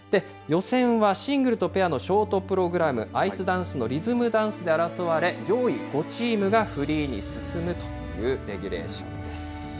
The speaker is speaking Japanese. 予選はシングルとペアのショートプログラム、アイスダンスのリズムダンスで争われ、上位５チームがフリーに進むというレギュレーションです。